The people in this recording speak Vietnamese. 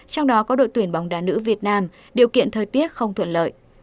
trong đó có đội tuyển bóng đá nữ việt nam điều kiện thời tiết không thuận lợi